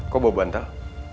kok bawa bantal